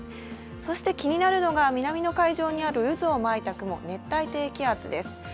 そして気になるのが南の海上にある渦を巻いた雲、熱帯低気圧です。